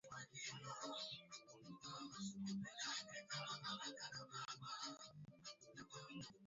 asilimia tano hadi asilimia tatu kutoka utabiri wa awali wa nne